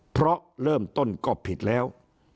เพราะเริ่มต้นก็ผิดแล้ว